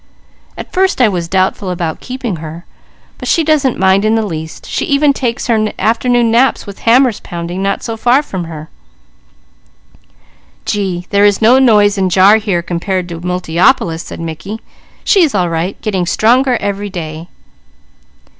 At first I was doubtful about keeping her, but she doesn't mind in the least; she even takes her afternoon naps with hammers pounding not so far from her " "Gee, there is no noise and jar here to compare with Multiopolis," said Mickey. "She's all right, getting stronger every day."